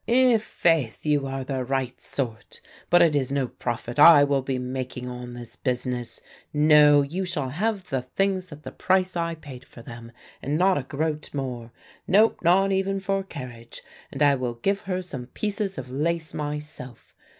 "I' faith, you are the right sort, but it is no profit I will be making on this business; no, you shall have the things at the price I paid for them and not a groat more, no, not even for carriage and I will give her some pieces of lace myself.